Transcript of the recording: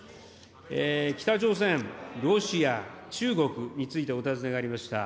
北朝鮮、ロシア、中国についてお尋ねがありました。